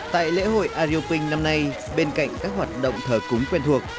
tại lễ hội ayrioping năm nay bên cạnh các hoạt động thở cúng quen thuộc